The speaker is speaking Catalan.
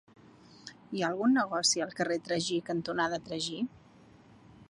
Hi ha algun negoci al carrer Tragí cantonada Tragí?